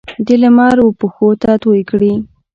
د لمر وپښوته توی کړي